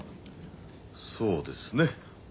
そうですね。